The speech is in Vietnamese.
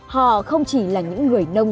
họ không chỉ là những người nông